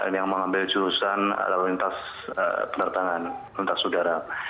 yang mengambil jurusan lalu lintas penertangan lintas saudara